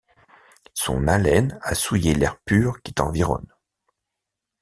Son haleine a souillé l’air pur qui t’environne!